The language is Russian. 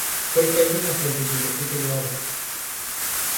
Только одни на свете были эти глаза.